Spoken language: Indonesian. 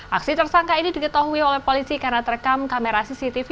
aksi tersangka ini diketahui oleh polisi karena terekam kamera cctv